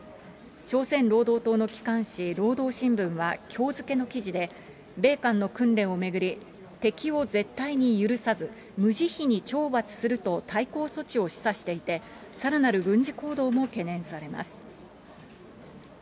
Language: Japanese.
朝鮮労働党の機関紙、労働新聞はきょう付けの記事で、米韓の訓練を巡り、敵を絶対に許さず、無慈悲に懲罰すると対抗措置を示唆していて、さらなる軍事行動も懸念されます。